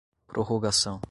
prorrogação